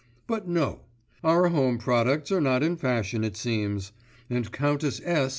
But no! our home products are not in fashion it seems; and Countess S.